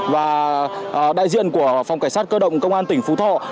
và đại diện của phòng cảnh sát cơ động công an tỉnh phú thọ